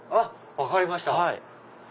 分かりました。